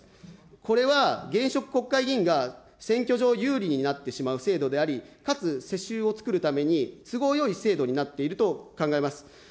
これは現職国会議員が選挙上、有利になってしまう制度であり、かつ世襲をつくるために都合よい制度になっていると考えます。